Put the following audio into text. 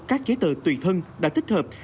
các chế tờ tùy thân đã thích hợp